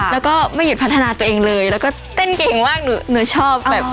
แล้วก็ไม่หยุดพัฒนาตัวเองเลยแล้วก็เต้นเก่งมากหนูชอบแบบ